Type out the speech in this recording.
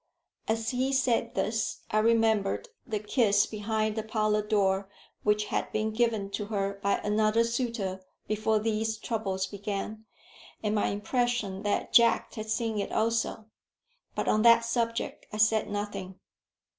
As he said this I remembered the kiss behind the parlour door which had been given to her by another suitor before these troubles began, and my impression that Jack had seen it also; but on that subject I said nothing.